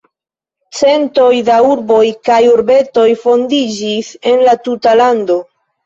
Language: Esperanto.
Centoj da urboj kaj urbetoj fondiĝis en la tuta lando.